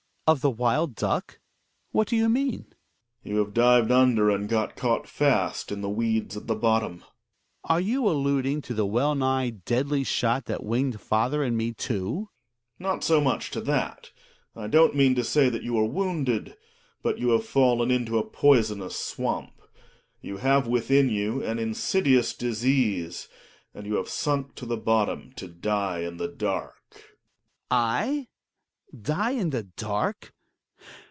/ Hjalmar. Of the wild duck ? What do you mean ? Gregers. You have dived under and got caught fast. in the weeds at the bottom. Hjalmar. Are you alluding to the well nigh deadly shot that winged father and me too ? Gregers. Not so much to that. I don't mean to say that you are wounded, but you have fallen into a poisonous swamp; you have within you an insidious THE WILD DUCK. ' 77 disease, and you have sunk to the bottom to die in the dark. IC)1:;3US'^ Hjalmar. I ? Die in the dark